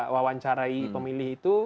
wawancarai pemilih itu